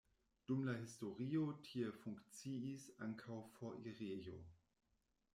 Dum la historio tie funkciis ankaŭ foirejo.